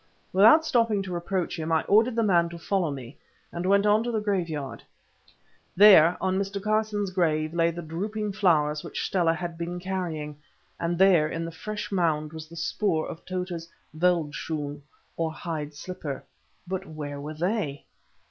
Without stopping to reproach him, I ordered the man to follow me, and went on to the graveyard. There, on Mr. Carson's grave, lay the drooping flowers which Stella had been carrying, and there in the fresh mould was the spoor of Tota's veldschoon, or hide slipper. But where were they?